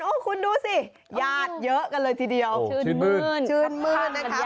คุณดูสิญาติเยอะกันเลยทีเดียวชื่นมื้นชื่นมื้นนะคะ